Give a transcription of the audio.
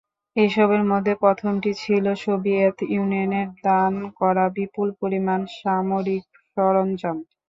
এসবের মধ্যে প্রথমটি ছিল সোভিয়েত ইউনিয়নের দান করা বিপুল পরিমাণ সামরিক সরঞ্জাম।